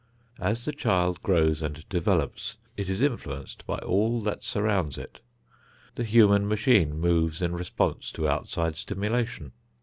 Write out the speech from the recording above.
As the child grows and develops, it is influenced by all that surrounds it. The human machine moves in response to outside stimulation.